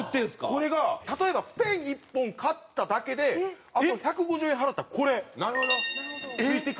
これが例えばペン１本買っただけであと１５０円払ったらこれ付いてくるんですよ。